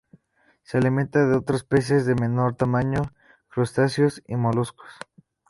Se alimenta de otros peces de menor tamaño, crustáceos y moluscos.